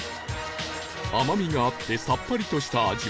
甘みがあってさっぱりとした味わい